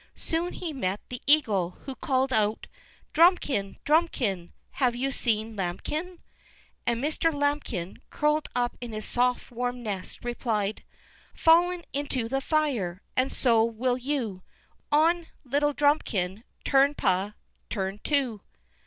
Soon he met the eagle, who called out: "Drumikin! Drumikin! Have you seen Lambikin?" And Mr. Lambikin, curled up in his soft warm nest, replied: "Fallen into the fire, and so will you On, little Drumikin. Tum pa, tum too!"